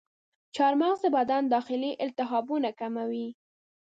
چارمغز د بدن داخلي التهابونه کموي.